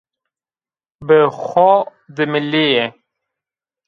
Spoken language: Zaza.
Bi xo dimilî yê